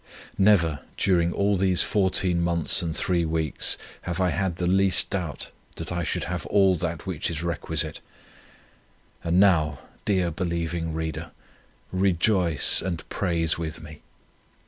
Never, during all these 14 months and 3 weeks, have I had the least doubt, that I should have all that which is requisite. And now, dear believing reader, rejoice and praise with me.